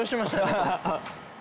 アハハハ。